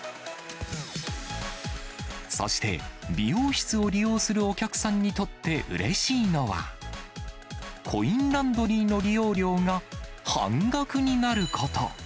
そして、美容室を利用するお客さんにとってうれしいのは、コインランドリーの利用料が、半額になること。